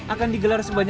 akan digelar sebanyaknya